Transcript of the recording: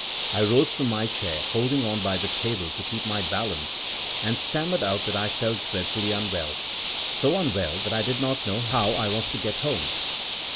I rose from my chair, holding on by the table to keep my balance; and stammered out that I felt dreadfully unwell — so unwell that I did not know how I was to get home.